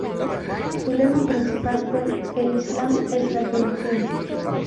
Su lema principal fue: "El Islam es la solución".